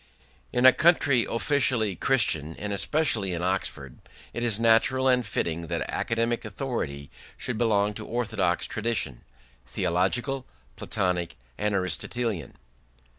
In a country officially Christian, and especially in Oxford, it is natural and fitting that academic authority should belong to orthodox tradition theological, Platonic, and Aristotelian.